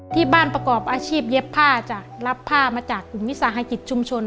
ที่บ้านประกอบอาชีพเย็บผ้าจ้ะรับผ้ามาจากกลุ่มวิสาหกิจชุมชน